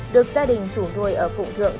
được gia đình chủ thuê ở phụng thượng